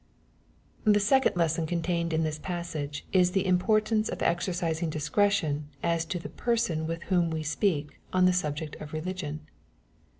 The second lesson contained in this passage, is the im* portance of exercising discretion as to the person with whom we speak on the subject of religion.